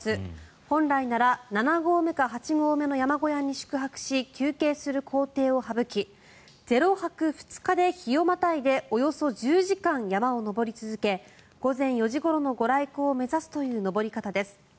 本来なら７合目か８合目の山小屋に宿泊し休憩する行程を省き０泊２日で日をまたいでおよそ１０時間、山を登り続け午前４時ごろのご来光を目指すという登り方です。